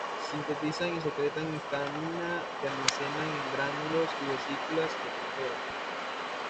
Sintetizan y secretan histamina, que almacenan en gránulos y vesículas secretoras.